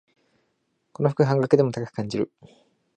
この服、半額でも高く感じる